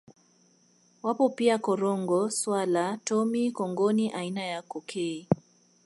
Wapo pia korongoo swala tomi Kongoni aina ya cokei